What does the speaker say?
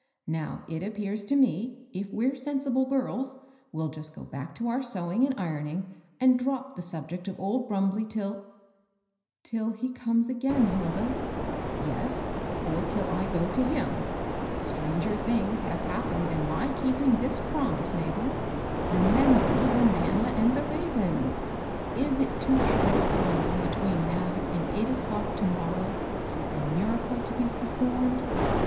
Now, it appears to me, if we're sensible girls, we'll just go back to our sewing and ironing, • and drop the subject of old Brumbley till "—" Till he comes again, Hilda ?" "Yes; — or till I goto\^m, ^\x«cl^^^ ^^^kss.^ 336 MABEL KOSS. have happened than my keeping this promise, Ma bel. Remember the manna and the ravens ! Is it too short a time between now and eight o'clock to morrow for a miracle to be performed